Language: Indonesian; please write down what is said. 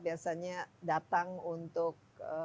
biasanya datang untuk